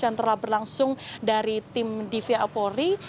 yang telah berlangsung dari tim dvi polri